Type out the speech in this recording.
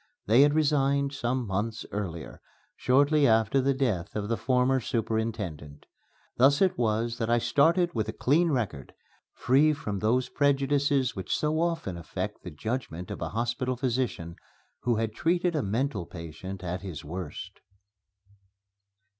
They had resigned some months earlier, shortly after the death of the former superintendent. Thus it was that I started with a clean record, free from those prejudices which so often affect the judgment of a hospital physician who has treated a mental patient at his worst.